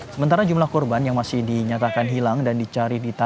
sementara jumlah korban yang masih dinyatakan hilang dan dicari di taman